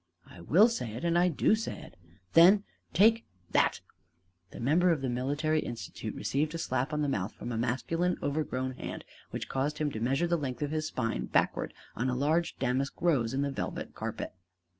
"I will say it, and I do say it!" "Then take that!" The member of the military institute received a slap in the mouth from a masculine overgrown hand which caused him to measure the length of his spine backward on a large damask rose in the velvet carpet.